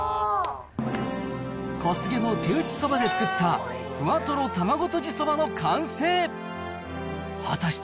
こすげの手打ちそばで作ったふわとろ卵とじそばの完成。